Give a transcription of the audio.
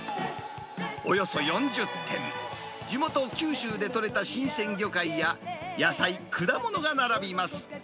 およそ４０店、地元、九州で取れた新鮮魚介や、野菜、果物が並びます。